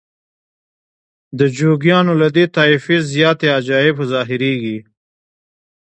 د جوګیانو له دې طایفې زیاتې عجایب ظاهریږي.